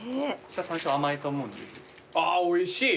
あぁおいしい。